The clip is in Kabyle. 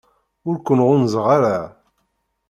Ur ken-ɣunzaɣ ara.